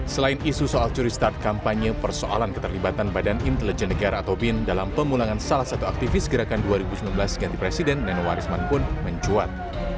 selain isu soal curi start kampanye persoalan keterlibatan badan intelijen negara atau bin dalam pemulangan salah satu aktivis gerakan dua ribu sembilan belas ganti presiden nenowarisman pun mencuat